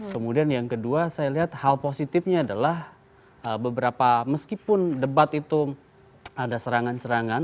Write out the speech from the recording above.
kemudian yang kedua saya lihat hal positifnya adalah beberapa meskipun debat itu ada serangan serangan